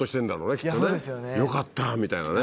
きっとねよかった！みたいなね。